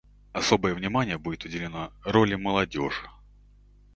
Особое внимание будет уделено роли молодежи.